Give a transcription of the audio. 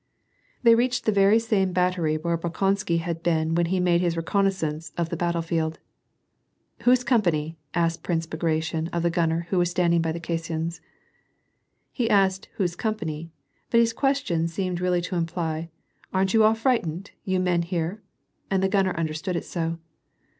They reached the very same battery where Bolkonsky had been when he made his reconnoissance of the battle field. " Whose company ?" asked Prince Bagration of the gunner who was standing by the caissons. He asked " Whose company," but his question seemed really to imply :" Aren't you all frightened, you men here ?" And the gunner understood it so.